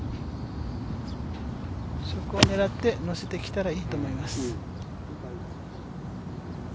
そこを狙ってのせてきたらいいと思います。